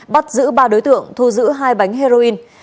bắt giữ ba đối tượng thu giữ hai bánh heroin